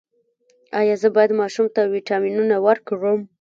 ایا زه باید ماشوم ته ویټامینونه ورکړم؟